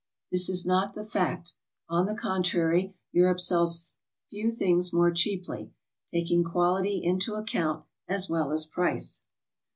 This is not the iaot. On the con trary, Europe sells few things more cheaply, taking quality into account as well as price.